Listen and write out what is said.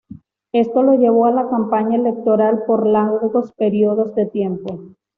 Esto lo llevó a la campaña electoral por largos períodos de tiempo.